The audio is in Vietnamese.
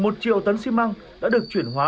một triệu tấn xi măng đã được chuyển hóa